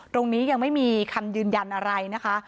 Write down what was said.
ตรงนี้ยังไม่มีคำยืนยันอะไรนะคะ